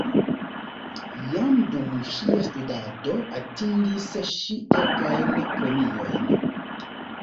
Jam dum ŝia studado atingis ŝi kelkajn premiojn.